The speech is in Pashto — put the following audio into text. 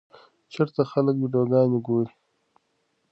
چېرته خلک ویډیوګانې ګوري؟